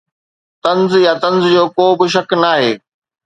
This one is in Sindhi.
طنز يا طنز جو ڪو به شڪ ناهي